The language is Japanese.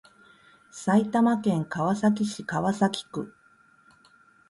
埼玉県川崎市川崎区